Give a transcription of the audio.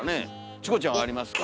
チコちゃんはありますか？